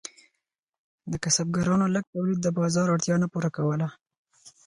د کسبګرانو لږ تولید د بازار اړتیا نه پوره کوله.